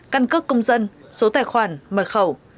căn cước công dân số tài khoản mật khẩu